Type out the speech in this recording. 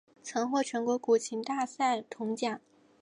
曾获全国古琴大赛铜奖。